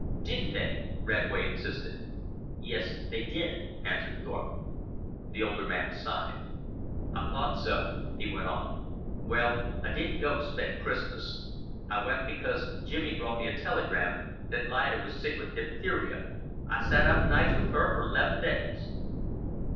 "Didn't they?" Radway insisted. "Yes, they did," answered Thorpe. The older man sighed. "I thought so," he went on. "Well, I didn't go to spend Christmas. I went because Jimmy brought me a telegram that Lida was sick with diphtheria. I sat up nights with her for 'leven days."